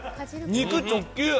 肉、直球。